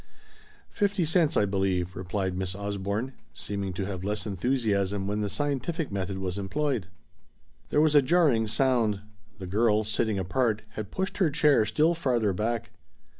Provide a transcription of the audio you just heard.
"Fifty cents, I believe," replied Miss Osborne, seeming to have less enthusiasm when the scientific method was employed. There was a jarring sound. The girl "sitting apart" had pushed her chair still farther back.